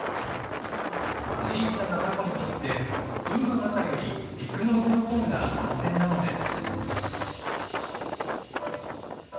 小さなタコにとって海の中より陸の上のほうが安全なのです。